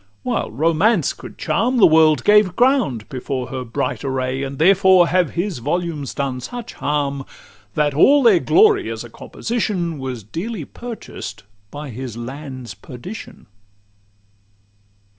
While Romance could charm, The world gave ground before her bright array; And therefore have his volumes done such harm, That all their glory, as a composition, Was dearly purchased by his land's perdition.